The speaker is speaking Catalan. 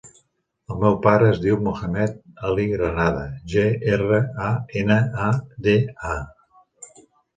El meu pare es diu Mohamed ali Granada: ge, erra, a, ena, a, de, a.